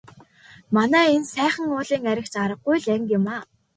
Манай энэ Сайхан уулын айраг ч аргагүй л анги юмаа.